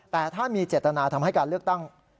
แต่ถ้ามีเจตนาทำให้การเลือกตั้ง